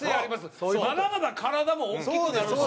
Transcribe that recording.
まだまだ体も大きくなるし。